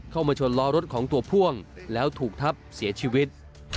เข้ามาชนล้อรถของตัวพ่วงแล้วถูกทับเสียชีวิต